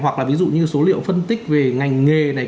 hoặc là ví dụ như số liệu phân tích về ngành nghề này